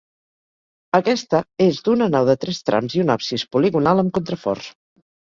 Aquesta és d'una nau de tres trams i un absis poligonal amb contraforts.